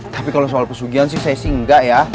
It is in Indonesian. tapi kalau soal pesugian sih saya sih enggak ya